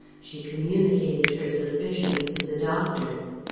She communicated her suspicions to the doctor.